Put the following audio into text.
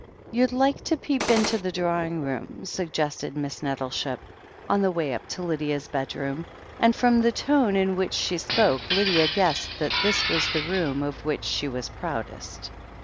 "You'd like to peep into the drawing room," sug gested Miss Nettleship, on the way up to Lydia's bed room, and from the tone in which she spoke, Lydia guessed that this was the room of which she was proudest.